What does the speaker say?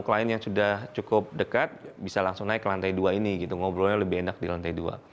klien yang sudah cukup dekat bisa langsung naik ke lantai dua ini gitu ngobrolnya lebih enak di lantai dua